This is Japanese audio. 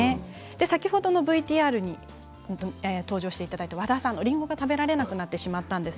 先ほどのＶＴＲに登場していただいた和田さんですけれども、りんごが食べられなくなりました。